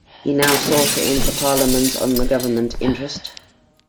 He now sought to enter Parliament on the Government interest.